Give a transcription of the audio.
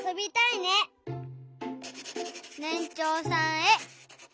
「ねんちょうさんへ」。